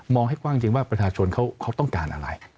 ให้กว้างจริงว่าประชาชนเขาต้องการอะไร